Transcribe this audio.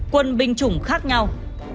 quân binh chủng khác nhau